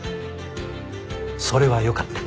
それはよかった。